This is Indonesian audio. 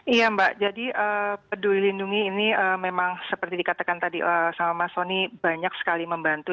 iya mbak jadi peduli lindungi ini memang seperti dikatakan tadi sama mas soni banyak sekali membantu